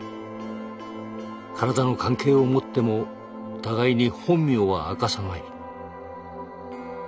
体の関係を持っても互いに本名は明かさない。